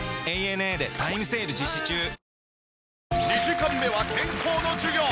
２時間目は健康の授業。